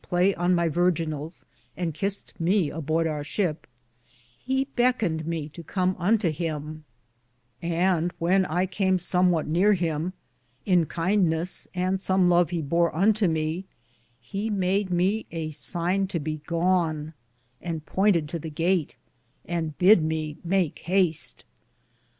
37 play on my virginals and kissed me aborde our shipe — he beckened me to com unto him ; and when I came som what neare him, in kindnes and som love he bore unto me, made me a sine to be gone ; and poynted to the gate, and bid me make haste.